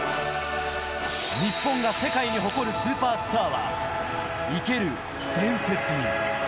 日本が世界に誇るスーパースターは生ける伝説に。